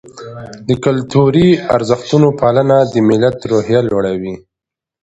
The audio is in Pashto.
د کلتوري ارزښتونو پالنه د ملت روحیه لوړوي.